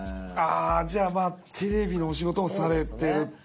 あじゃあまあテレビのお仕事もされてる。